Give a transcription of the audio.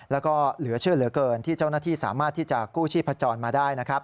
แล้วก็เหลือเชื่อเหลือเกินที่เจ้าหน้าที่สามารถที่จะกู้ชีพจรมาได้นะครับ